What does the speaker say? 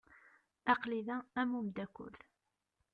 Aql-i da am umdakel.